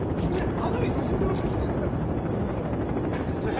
写真を撮ろうって言った時はすごいいい笑顔なの。